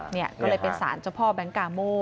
นี่ก็เลยเป็นสารเจ้าพ่อแบงค์กาโม่